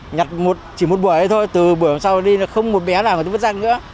nhặt chỉ một buổi thôi từ buổi sau đi không một bé nào người ta vứt rác nữa